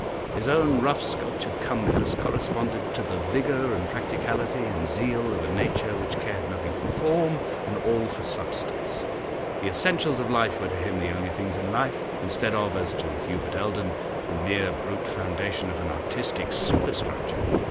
His own rough sculptured comeliness corresponded to the vigour and practicality and zeal of a nature which cared nothing for form and all for substance; the essentials of life were to him the only things in life, instead of, as to Hubert Eldon, the mere brute foundation of an artistic super structure.